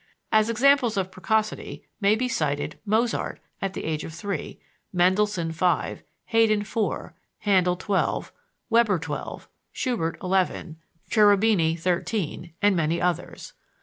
As examples of precocity may be cited: Mozart, at the age of three; Mendelssohn, five; Haydn, four; Handel, twelve; Weber, twelve; Schubert, eleven; Cherubini, thirteen; and many others.